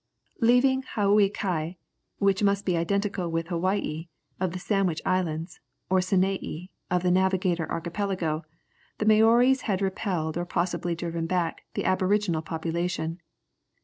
Leaving Haouaikai, which must be identical with Hawai, of the Sandwich Islands, or Sanaï of the Navigator Archipelago, the Maories had repelled or possibly driven back the aboriginal population.